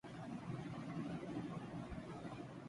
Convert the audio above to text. یہاں کنفیوژن کی ماری حکمرانی کی قطعا گنجائش نہیں۔